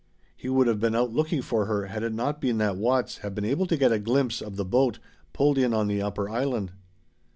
He would have been out looking for her had it not been that Watts had been able to get a glimpse of the boat pulled in on the upper island.